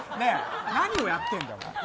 何をやってんの？